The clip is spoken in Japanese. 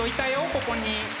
ここに！